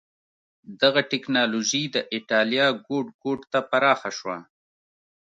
دغه ټکنالوژي د اېټالیا ګوټ ګوټ ته پراخه شوه.